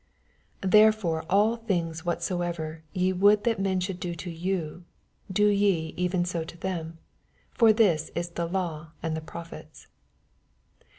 12 Therefore all things whatsoever ye would that men should do to you, do ye even so to them : for this is the law and the prophets.